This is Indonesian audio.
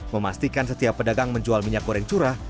memastikan setiap pedagang menjual minyak goreng curah